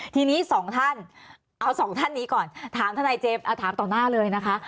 ทีนี้สองท่านเอาสองท่านนี้ก่อนถามทนายเจมส์ถามต่อหน้าเลยนะคะ